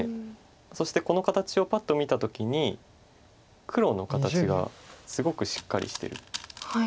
そしてこの形をパッと見た時に黒の形がすごくしっかりしてる。